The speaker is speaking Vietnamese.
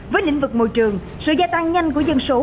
với lĩnh vực môi trường sự gia tăng nhanh của dân số